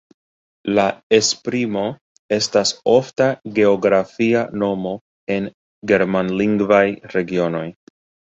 La esprimo estas ofta geografia nomo en germanlingvaj regionoj.